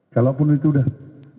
kalaupun itu udah